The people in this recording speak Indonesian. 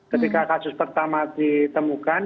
ketika kasus pertama ditemukan